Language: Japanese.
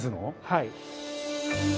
はい。